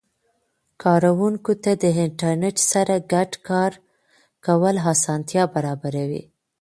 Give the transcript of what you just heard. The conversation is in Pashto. کاروونکو ته د انټرنیټ سره ګډ کار کول اسانتیا برابر وي.